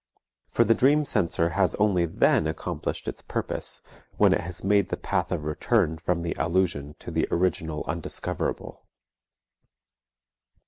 For the dream censor has only then accomplished its purpose, when it has made the path of return from the allusion to the original undiscoverable.